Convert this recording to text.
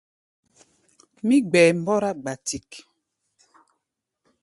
Mí gbɛɛ mbɔ́rá gbatik.